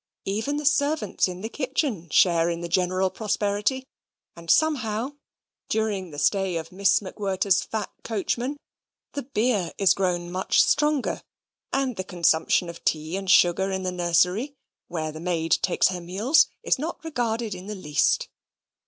Even the servants in the kitchen share in the general prosperity; and, somehow, during the stay of Miss MacWhirter's fat coachman, the beer is grown much stronger, and the consumption of tea and sugar in the nursery (where her maid takes her meals) is not regarded in the least.